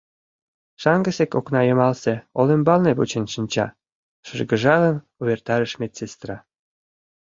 Шаҥгысек окна йымалсе олымбалне вучен шинча, — шыргыжалын, увертарыш медсестра.